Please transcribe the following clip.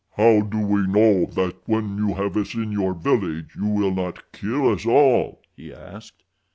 "How do we know that when you have us in your village you will not kill us all?" he asked.